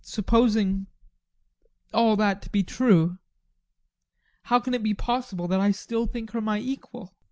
ADOLPH. Supposing all that to be true how can it be possible that I still think her my equal?